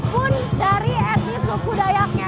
pun dari etnis suku dayaknya